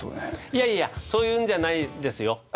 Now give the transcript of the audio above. いやいやそういうんじゃないですよ。